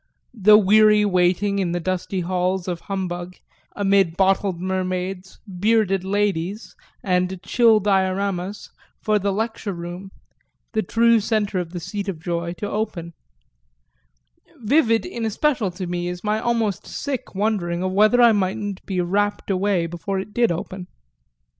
the weary waiting, in the dusty halls of humbug, amid bottled mermaids, "bearded ladies" and chill dioramas, for the lecture room, the true centre of the seat of joy, to open: vivid in especial to me is my almost sick wondering of whether I mightn't be rapt away before it did open.